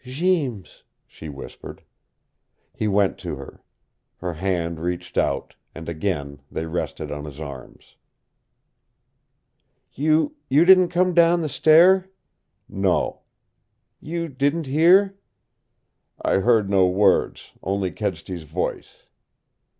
"Jeems," she whispered. He went to her. Her hands reached out, and again they rested on his arms. "You you didn't come down the stair?" "No." "You didn't hear?" "I heard no words. Only Kedsty's voice."